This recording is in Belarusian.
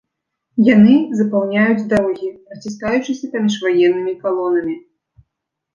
Яны запаўняюць дарогі, праціскаючыся паміж ваеннымі калонамі.